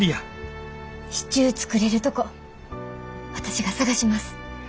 支柱作れるとこ私が探します。